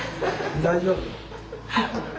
大丈夫？